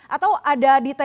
atau ada ditentukan